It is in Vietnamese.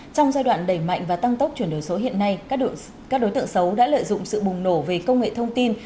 trong giai đoạn đẩy mạnh và tăng tốc chuyển đổi số hiện nay các đối tượng xấu đã lợi dụng sự bùng nổ về công nghệ thông tin